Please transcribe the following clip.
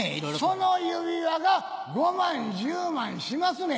その指輪が５万１０万しますねん。